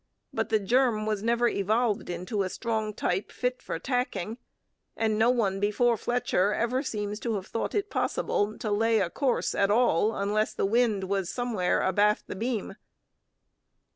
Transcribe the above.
But the germ was never evolved into a strong type fit for tacking; and no one before Fletcher ever seems to have thought it possible to lay a course at all unless the wind was somewhere abaft the beam.